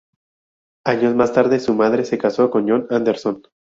Años más tarde su madre se casó con John Anderson.